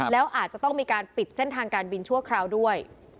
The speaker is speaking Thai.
แล้วอาจจะต้องมีการปิดเส้นทางการบินชั่วคราวด้วย